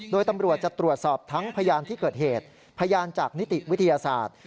โดยตำรวจจะตรวจสอบทั้งพยานที่เกิดเหตุพยานจากนิติวิทยาศาสตร์